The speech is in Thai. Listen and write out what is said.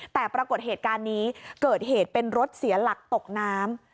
แต่ปรากฏเหตุการณ์นี้เกิดเหตุเป็นรถเสียหลักตกน้ำ